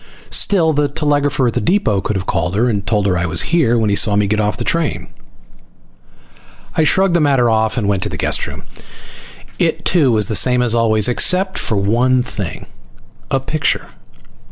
Still, the telegrapher at the depot could have called her and told her I was here when he saw me get off the train. I shrugged the matter off and went to the guest room. It too was the same as always, except for one thing. A picture.